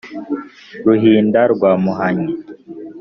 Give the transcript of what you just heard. ruhinda rwa muhanyi